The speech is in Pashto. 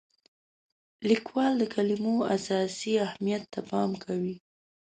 لیکوال د کلمو اساسي اهمیت ته پام کوي.